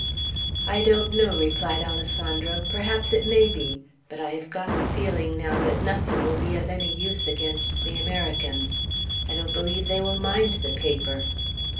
"I don't know," replied Alessandro. "Perhaps it may be; but I have got the feeling now that nothing will be of any use against the Americans. I don't believe they will mind the paper."